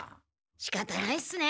しかたないっすね。